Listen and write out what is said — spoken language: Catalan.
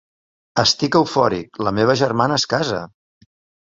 Estic eufòric, la meva germana es casa!